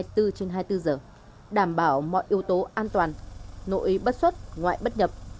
hai mươi bốn trên hai mươi bốn giờ đảm bảo mọi yếu tố an toàn nội bất xuất ngoại bất nhập